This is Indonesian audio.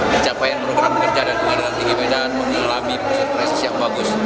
pencapaian program kerja dan pengadilan tinggi medan mengalami proses yang bagus